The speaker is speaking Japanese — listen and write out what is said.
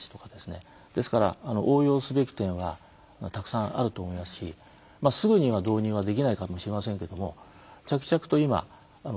ですから、応用すべき点はたくさんあると思いますしすぐには導入はできないかもしれませんが着々と今、検討は進んでいると。